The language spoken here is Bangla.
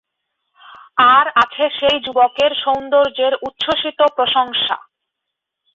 আর আছে সেই যুবকের সৌন্দর্যের উচ্ছ্বসিত প্রশংসা।